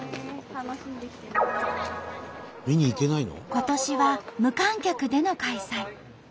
今年は無観客での開催。